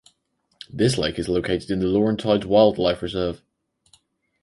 This lake is located in the Laurentides Wildlife Reserve.